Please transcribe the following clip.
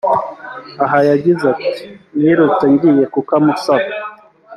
Aha yagize ati” Nirutse ngiye kukamusaba